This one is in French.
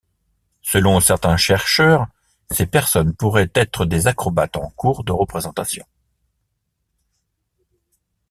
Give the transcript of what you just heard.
Selon certains chercheurs ces personnes pourraient être des acrobates en cours de représentation.